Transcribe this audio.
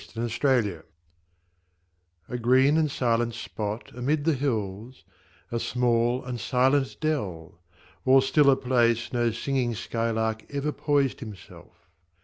8 Autoplay A green and silent spot, amid the hills, A small and silent dell ! O'er stiller place No singing sky lark ever poised himself.